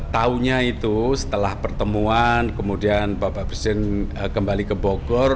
tahunya itu setelah pertemuan kemudian bapak presiden kembali ke bogor